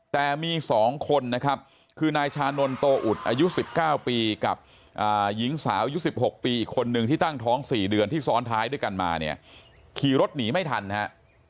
แต่มี๒คนนะครับคือนายชานนทโตอุดอายุ๑๙ปีกับหญิงสาวอายุ๑๖ปีอีกคนนึงที่ตั้งท้อง๔เดือนที่ซ้อนท้ายด้วยกันมาเนี่ยขี่รถหนีไม่ทันฮะ